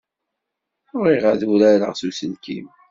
Bɣiɣ ad urareɣ s uselkim.